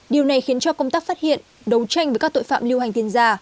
điều này khiến cho công tác phát hiện đấu tranh với các tội phạm lưu hành tiền giả